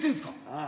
ああ。